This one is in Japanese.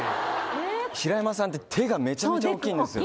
平山さんって手がめちゃめちゃ大っきいんですよ。